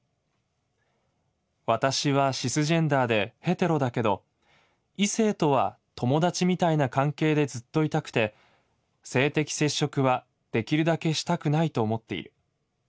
私はシスジェンダーでヘテロだけど異性とは友達みたいな関係でずっといたくて性的接触はできるだけしたくないと思っている。